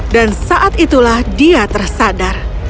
dan saat itulah dia tersadar